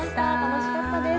楽しかったです。